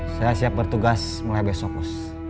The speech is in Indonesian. saya siap bertugas mulai besok